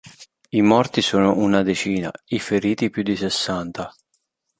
I morti sono una decina; i feriti più di sessanta.